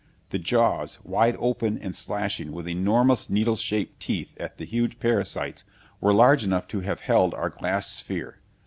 The jaws, wide open and slashing with enormous, needle shaped teeth at the huge parasites, were large enough to have held our glass sphere.